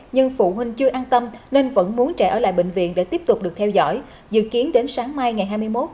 nhưng phụ huynh chưa an tâm nên vẫn muốn trẻ ở lại bệnh viện để tiếp tục được theo dõi dự kiến đến sáng mai ngày hai mươi một